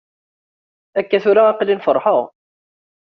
Akka tura aql-i feṛḥeɣ.